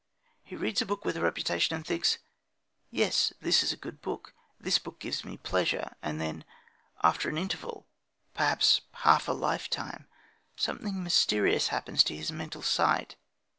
He reads a book with a reputation and thinks: "Yes, this is a good book. This book gives me pleasure." And then after an interval, perhaps after half a lifetime, something mysterious happens to his mental sight.